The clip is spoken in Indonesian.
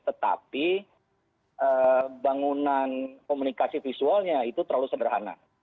tetapi bangunan komunikasi visualnya itu terlalu sederhana